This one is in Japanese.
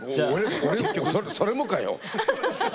それもかよ！